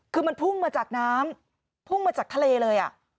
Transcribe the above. คือมันพุ่งมาจากน้ำพุ่งมาจากทะเลเลย